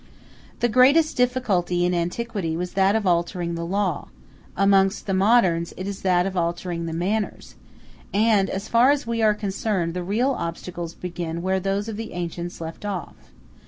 ] The greatest difficulty in antiquity was that of altering the law; amongst the moderns it is that of altering the manners; and, as far as we are concerned, the real obstacles begin where those of the ancients left off.